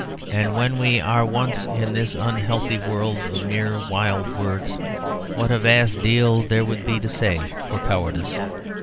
And when we are once in this unhealthy world of mere wild words, what a vast deal there would be to say for cowardice!